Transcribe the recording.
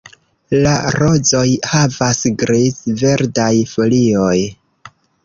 La rozoj havas griz-verdaj folioj.